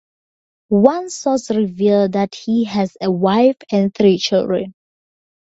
One source revealed that he has a wife and three children.